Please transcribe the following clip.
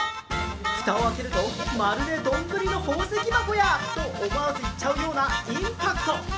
蓋を開けると、まるで丼の宝石箱やと思わず言っちゃうようなインパクト。